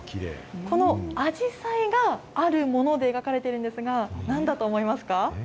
このあじさいが、あるもので描かれているんですが、なんだと思いますか。